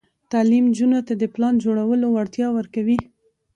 تعلیم نجونو ته د پلان جوړولو وړتیا ورکوي.